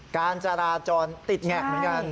การจราจรติดแงกเหมือนกัน